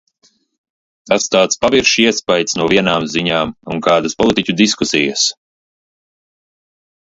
Tas tāds paviršs iespaids no vienām ziņām un kādas politiķu diskusijas.